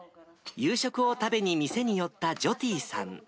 夕食を食べに店に寄ったジョティさん。